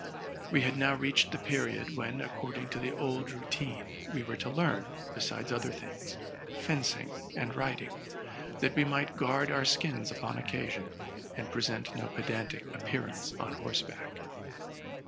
We had now reached the period when, accord ing to the old routine, we were to learn, besides other things, fencing and riding, that we might guard our skins upon occa sion, and present no pedantic appearance on horseback.